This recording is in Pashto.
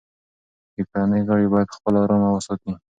د کورنۍ غړي باید خپله ارامي وساتي.